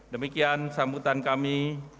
demikian sambutan kami